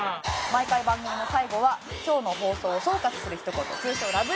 毎回番組の最後は今日の放送を総括するひと言通称ラブ！！